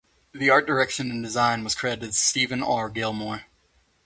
The art direction and design was credited to Steven R. Gilmore.